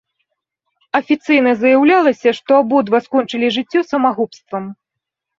Афіцыйна заяўлялася, што абодва скончылі жыццё самагубствам.